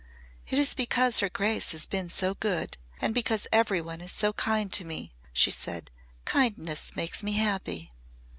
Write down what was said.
"It is because her grace has been so good and because every one is so kind to me," she said. "Kindness makes me happy."